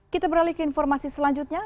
kita beralih ke informasi selanjutnya